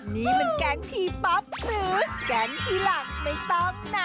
นี่มันแก๊งทีป๊อปหรือแก๊งทีหลังไม่ต้องนะ